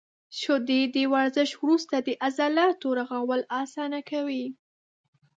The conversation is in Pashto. • شیدې د ورزش وروسته د عضلاتو رغول اسانه کوي.